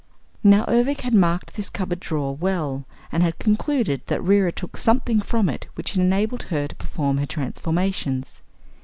Now Ervic had marked this cupboard drawer well and had concluded that Reera took something from it which enabled her to perform her transformations.